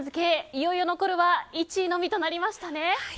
いよいよ残るは１位のみとなりました。